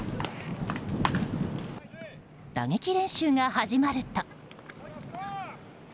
打撃練習が始まると。